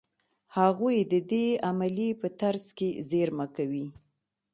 هغوی د دې عملیې په ترڅ کې زېرمه کوي.